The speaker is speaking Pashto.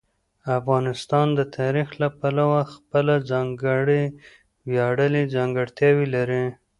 افغانستان د تاریخ له پلوه خپله ځانګړې ویاړلې ځانګړتیاوې لري.